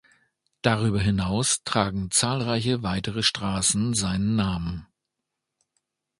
Darüber hinaus tragen zahlreiche weitere Straßen seinen Namen.